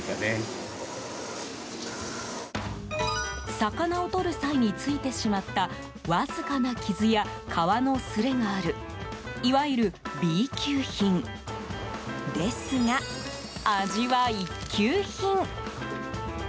魚をとる際についてしまったわずかな傷や、皮のすれがあるいわゆるＢ級品ですが味は一級品。